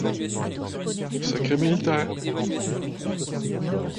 Secret militaire.